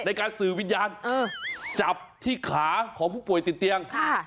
ในการสื่อวิญญาณจับที่ขาของผู้ป่วยติดเตียง